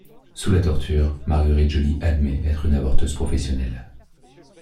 Sous la torture, Marguerite Joly admet être une avorteuse professionnelle.